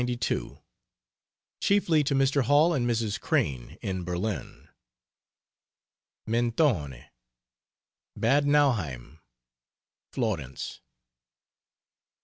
LETTERS, 1892, CHIEFLY TO MR. HALL AND MRS. CRANE. IN BERLIN, MENTONE, BAD NAUHEIM, FLORENCE.